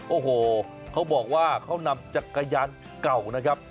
โอ้โหเขาบอกว่าเขานำจักรยานเก่านะครับ